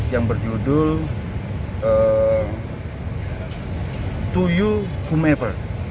yang berjudul to you homever